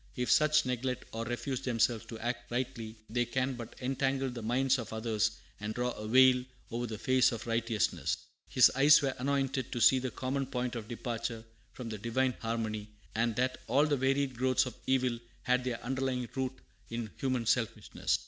If such neglect or refuse themselves to act rightly, they can but "entangle the minds of others and draw a veil over the face of righteousness." His eyes were anointed to see the common point of departure from the Divine harmony, and that all the varied growths of evil had their underlying root in human selfishness.